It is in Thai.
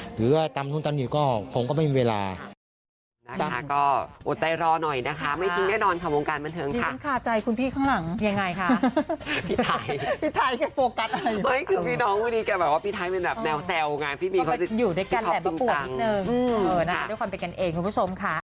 หรือว่าตามทุ่มตามอยู่ก็ผมก็ไม่มีเวลา